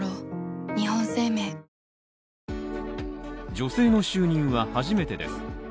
女性の就任は初めてです。